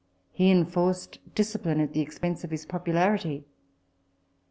He enforced dis cipline at the expense of his popularity.